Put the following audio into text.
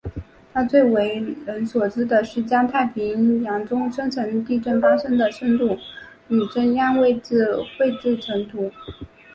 他最为人所知的是将太平洋中深层地震发生的深度与震央位置关系绘制成图。